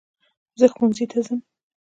زه ښوونځی ته ځم